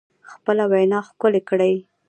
خپله وینا ښکلې کړئ